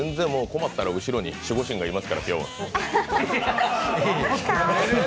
困ったら後ろに守護神がいますから、今日は。